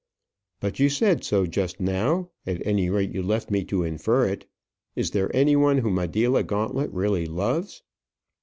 "But you said so just now; at any rate you left me to infer it. Is there any one whom Adela Gauntlet really loves?"